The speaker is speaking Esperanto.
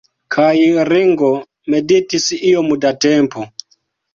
Kaj Ringo meditis iom da tempo.